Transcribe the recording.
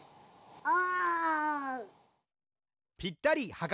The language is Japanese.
お！